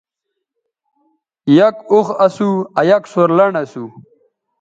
یک اوخ اسو آ یک سورلنڈ اسو